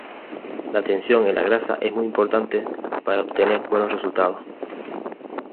La tensión en la gasa es muy importante para obtener buenos resultados.